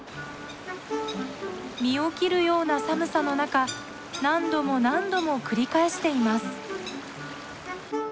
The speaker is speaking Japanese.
身を切るような寒さの中何度も何度も繰り返しています。